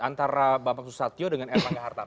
antara bapak susatyo dengan erlangga hartarto